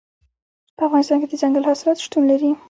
په افغانستان کې دځنګل حاصلات شتون لري.